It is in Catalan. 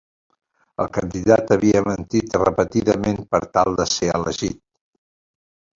El candidat havia mentit repetidament per tal de ser elegit.